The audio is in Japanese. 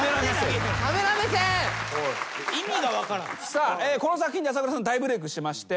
さあこの作品で朝倉さん大ブレークしまして。